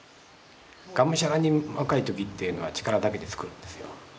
がむしゃらに若い時っていうのは力だけで作るんですよ。